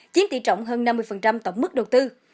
chiếm tỷ trọng hơn năm mươi tổng mức đầu tư